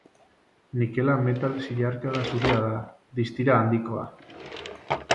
Nikela metal zilarkara zuria da, distira handikoa.